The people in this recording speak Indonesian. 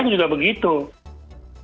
mereka juga menghukum